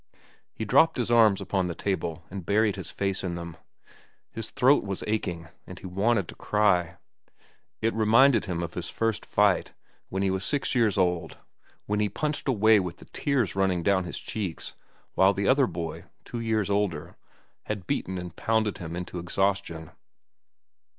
He dropped his arms upon the table and buried his face in them. His throat was aching, and he wanted to cry. It reminded him of his first fight, when he was six years old, when he punched away with the tears running down his cheeks while the other boy, two years his elder, had beaten and pounded him into exhaustion.